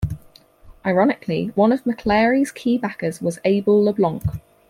Ironically, one of McAlary's key backers was Abel LeBlanc.